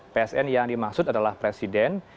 psn yang dimaksud adalah presiden